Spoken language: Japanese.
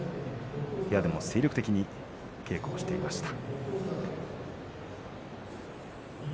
部屋でも精力的に稽古をしていました。